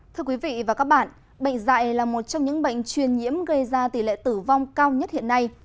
thưa quý vị và các bạn bệnh dạy là một trong những bệnh truyền nhiễm gây ra tỷ lệ tử vong cao nhất hiện nay